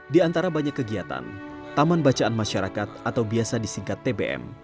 di antara banyak kegiatan taman bacaan masyarakat atau biasa disingkat tbm